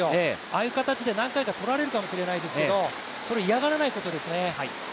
ああいう形で何回か取られるかもしれないですけれども、それを嫌がらないことですね。